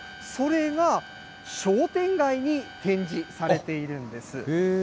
それが商店街に展示されているんです。